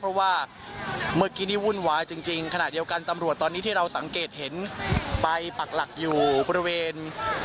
เพราะว่าเมื่อกี้นี่วุ่นวายจริงขณะเดียวกันตำรวจตอนนี้ที่เราสังเกตเห็นไปปักหลักอยู่บริเวณ